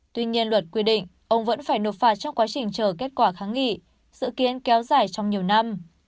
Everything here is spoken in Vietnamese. tuy nhiên luật quy định ông vẫn phải nộp phạt trong quá trình chờ kết quả kháng nghị dự kiến kéo dài trong nhiều năm